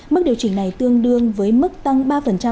mức điều chỉnh này tương đương với mức giá bán lẻ điện bình quân